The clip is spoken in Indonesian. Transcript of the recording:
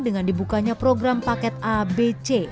dengan dibukanya program paket abc